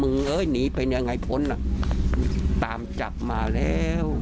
มึงหนีไปยังไงพ้นตามจับมาแล้ว